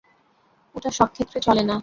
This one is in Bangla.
ওটা সব ক্ষেত্রে চলে না।